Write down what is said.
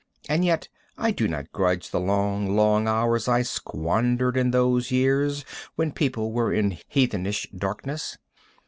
And yet I do not grudge the long, long hours I squandered in those years when people were in heathenish darkness.